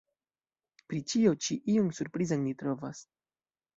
Pri ĉio ĉi ion surprizan ni trovas.